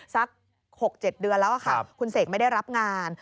สัก๖๗เดือนแล้วค่ะคุณเสกไม่ได้รับงาน